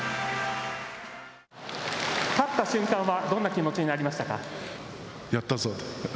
勝った瞬間はどんな気持ちになりましたか。